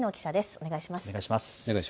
お願いします。